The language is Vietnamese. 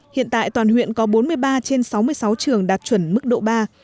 hiện tại toàn huyện có bốn mươi ba trên sáu mươi sáu trường đạt chuẩn mức độ ba